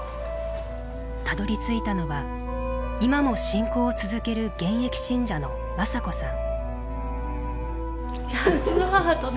たどりついたのは今も信仰を続ける現役信者の雅子さん。